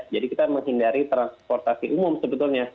kita menghindari transportasi umum sebetulnya